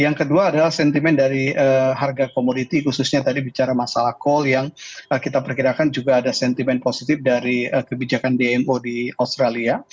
yang kedua adalah sentimen dari harga komoditi khususnya tadi bicara masalah call yang kita perkirakan juga ada sentimen positif dari kebijakan dmo di australia